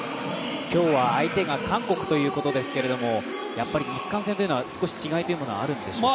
今日は相手が韓国ということですけれども、日韓戦というのは、少し違いというものはあるんでしょうか？